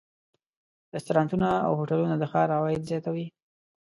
رستورانتونه او هوټلونه د ښار عواید زیاتوي.